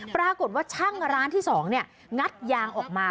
ปรากฏว่าช่างร้านที่๒นี่งัดยางออกมา